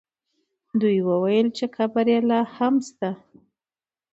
دوی وویل چې قبر یې لا هم شته.